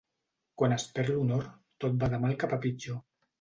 Quan es perd l'honor, tot va de mal cap a pitjor.